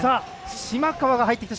島川、入ってきた。